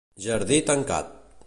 Jardí tancat.